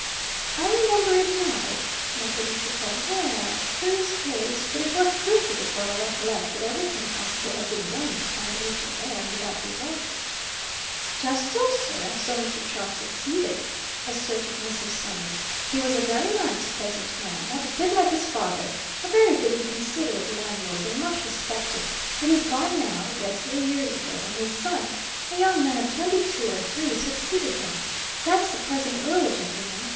"I remember it now," muttered Mr. Pawle. "Yes curious case. But it was proved to the court, I recollect, that everything possible had been done to find the missing heir and without result." "Just so, sir, and so Mr. Charles succeeded," asserted Mrs. Summers. "He was a very nice, pleasant man, not a bit like his father a very good and considerate landlord, and much respected. But he's gone now died three years ago; and his son, a young man of twenty two or three, succeeded him that's the present Earl, gentlemen.